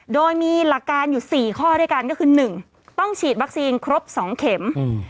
โดยมีหลักการอยู่๔ข้อด้วยกันก็คือ๑ต้องฉีดวัคซีนครบ๒เข็ม